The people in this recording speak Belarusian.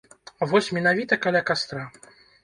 Вось менавіта каля кастра.